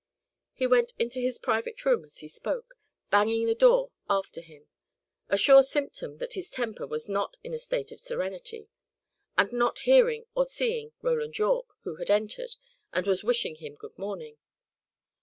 He went into his private room as he spoke, banging the door after him, a sure symptom that his temper was not in a state of serenity, and not hearing or seeing Roland Yorke, who had entered, and was wishing him good morning.